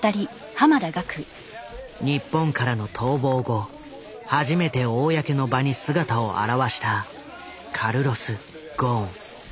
日本からの逃亡後初めて公の場に姿を現したカルロス・ゴーン。